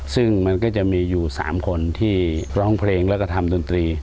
ซึ่งมันก็จะมีอยู่๓คนที่ร้องเพลงแล้วก็ทำดนตรี